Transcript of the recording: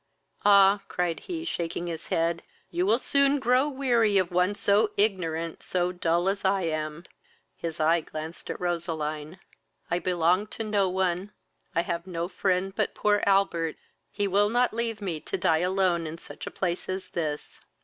"Ah! (cried he, shaking his head,) you will soon grow weary of one so ignorant, so dull as I am; (his eye glanced at Roseline.) I belong to no one, I have no friend but poor Albert; he will not leave me to die alone in such a place as this."